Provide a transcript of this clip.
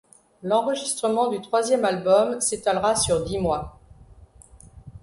L'enregistrement du troisième album s'étalera sur dix mois.